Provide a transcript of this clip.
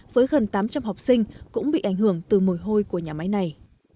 với gần tám trăm linh học sinh cũng bị ảnh hưởng từ mùi hôi của nhà máy này